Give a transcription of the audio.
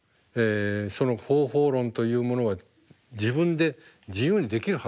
その方法論というものは自分で自由にできるはずなんですよ。